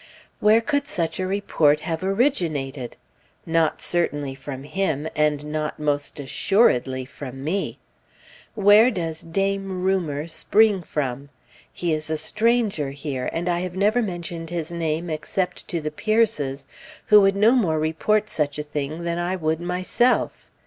Where could such a report have originated? Not certainly from him, and not, most assuredly, from me. Where does Dame rumor spring from? He is a stranger here, and I have never mentioned his name except to the Peirces, who would no more report such a thing than I would myself.